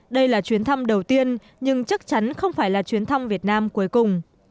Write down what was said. đây là chuyến thăm đầu tiên nhưng chắc chắn không phải là chuyến thăm việt nam cuối cùng